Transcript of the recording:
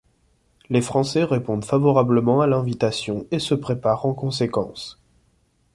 Les français répondent favorablement à l'invitation et se préparent en conséquence.